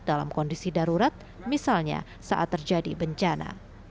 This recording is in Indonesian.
dalam kondisi darurat misalnya saat terjadi bencana